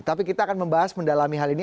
tapi kita akan membahas mendalami hal ini